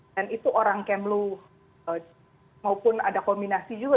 dan itu orang kemlu maupun ada kombinasi juga